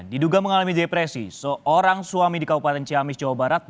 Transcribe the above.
diduga mengalami depresi seorang suami di kabupaten ciamis jawa barat